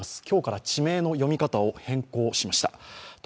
今日から地名の読み方を変更しました。